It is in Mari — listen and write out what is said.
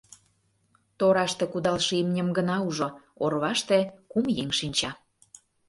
тораште кудалше имньым гына ужо, орваште кум еҥ шинча.